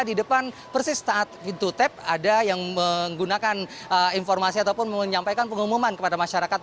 di depan persis saat pintu tap ada yang menggunakan informasi ataupun menyampaikan pengumuman kepada masyarakat